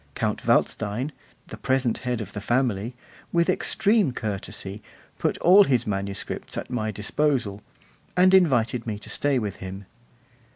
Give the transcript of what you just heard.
Count Waldstein, the present head of the family, with extreme courtesy, put all his manuscripts at my disposal, and invited me to stay with him.